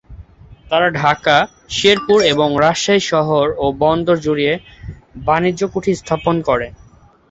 তারা ঢাকা, শেরপুর এবং রাজশাহী শহর ও বন্দর জুড়ে বাণিজ্য কুঠি স্থাপন করে।